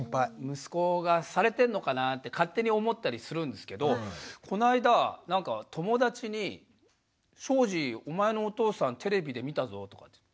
息子がされてるのかなぁって勝手に思ったりするんですけどこの間なんか友達に「庄司お前のお父さんテレビで見たぞ」とかって言って。